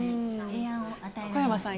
小山さん